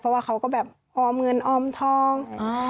เพราะว่าเขาก็แบบออมเงินออมทอง